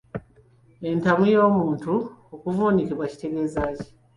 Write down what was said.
Entamu y'omuntu okuvuunikibwa kitegeeza ki?